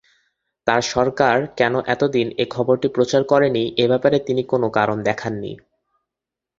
তার সরকার কেন এতদিন এ খবরটি প্রচার করেনি এ ব্যাপারে তিনি কোন কারণ দেখান নি।